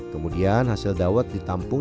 kemudian hasil dawat ditampung